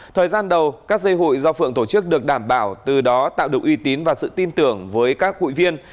thời gian đầu các dây hụi do phượng tổ chức được đảm bảo từ đó tạo được uy tín và sự tin tưởng với các hội viên